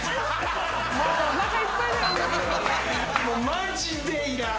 マジでいらん。